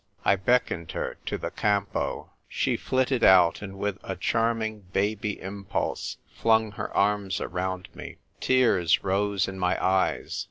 I beckoned her to the campo. She flitted out, and with a charming baby impulse flung her arms around me. Tears rose in my eyes.